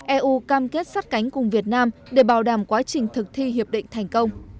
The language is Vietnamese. eu cam kết sát cánh cùng việt nam để bảo đảm quá trình thực thi hiệp định thành công